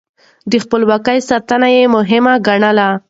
د خپلواکۍ ساتنه يې مهمه ګڼله.